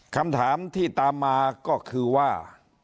คำถามที่ตามมาก็คือว่า